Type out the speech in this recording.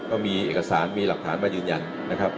ก็มีเอกสารมีหลักฐานมายืนยันนะครับ